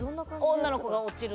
女の子が落ちる？